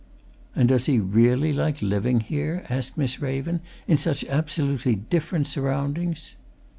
"And does he really like living here?" asked Miss Raven. "In such absolutely different surroundings?"